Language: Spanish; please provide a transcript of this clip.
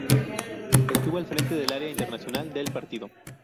Estuvo al frente del área internacional del partido.